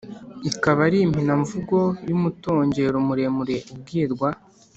ikaba ari impina-mvugo y'umutongero muremure ubwirwa